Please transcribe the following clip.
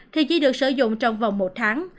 thì chỉ được sử dụng trong vòng một tháng